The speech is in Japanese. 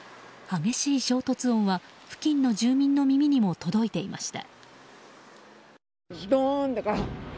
激しい衝突音は付近の住民の耳にも届いていました。